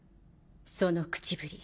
その口ぶり